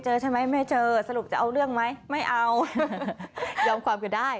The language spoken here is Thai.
เอาสรุปเอายังไง